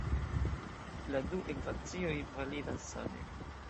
La du ekvacioj validas same.